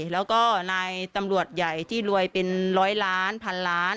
แล้วก็นายตำรวจใหญ่ที่รวยเป็นร้อยล้านพันล้าน